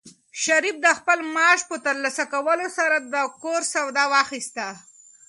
شریف د خپل معاش په ترلاسه کولو سره د کور سودا واخیسته.